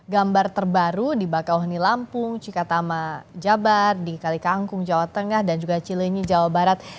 gambar terbaru di bakauheni lampung cikatama jabar di kalikangkung jawa tengah dan juga cilenyi jawa barat